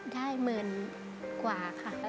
ได้หมื่นกว่าค่ะ